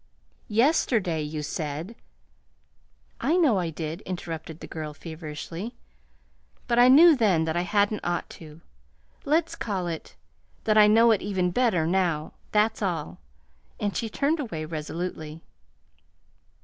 "Yesterday you said " "I know I did," interrupted the girl, feverishly. "But I knew then that I hadn't ought to. Let's call it that I know it even better now. That's all." And she turned away resolutely.